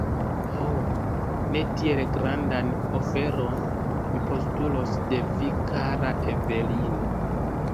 Ho, ne tiel grandan oferon mi postulos de vi, kara Evelino!